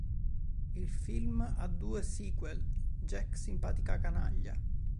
Il film ha due sequel, "Jack simpatica canaglia!!